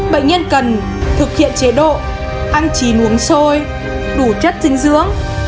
bệnh nhân cần thực hiện chế độ ăn chín uống sôi đủ chất dinh dưỡng